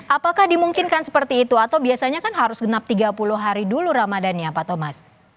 apakah dimungkinkan seperti itu atau biasanya kan harus genap tiga puluh hari dulu ramadannya pak thomas